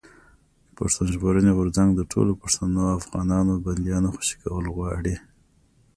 پښتون ژغورني غورځنګ د ټولو پښتنو افغانانو بنديانو خوشي کول غواړي.